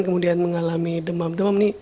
kemudian mengalami demam demam nih